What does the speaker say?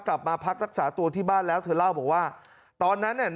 กลับมาพักรักษาตัวที่บ้านแล้วเธอเล่าบอกว่าตอนนั้นเนี่ย